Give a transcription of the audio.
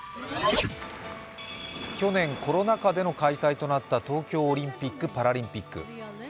去年、コロナ禍での開催となった東京オリンピック・パラリンピック。